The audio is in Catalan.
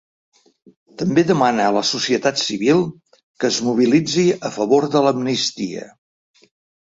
També demana a la societat civil que es mobilitzi a favor de l’amnistia.